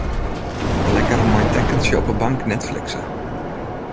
Lekker mei in tekkentsje op 'e bank netflixe.